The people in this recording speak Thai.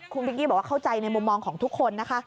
คุณพิงกี้บอกว่าเข้าใจในมุมมองของทุกคนนะคะ